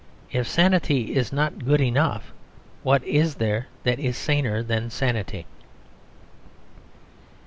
If sanity is not good enough, what is there that is saner than sanity?